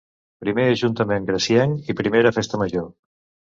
Primer ajuntament gracienc i primera festa major.